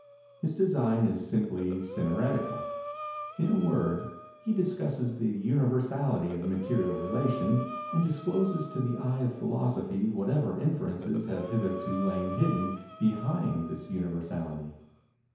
His design is simply synœretical. In a word, he discusses the universality of material relation, and discloses to the eye of Philosophy whatever inferences have hitherto lain hidden behind this universality.